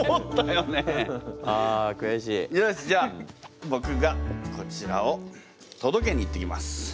よしじゃあぼくがこちらをとどけに行ってきます。